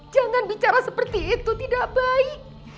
jangan bicara seperti itu tidak baik